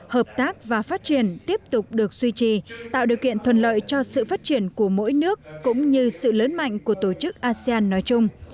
hợp tác và phát triển tiếp tục được suy trì tạo điều kiện thuận lợi cho sự phát triển của mỗi nước cũng như sự lớn mạnh của tổ chức asean nói chung